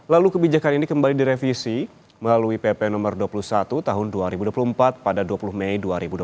lalu kebijakan ini kembali direvisi melalui pp no dua puluh satu tahun dua ribu dua puluh empat pada dua puluh mei dua ribu dua puluh